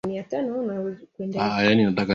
Kata nanasi kwa kisu.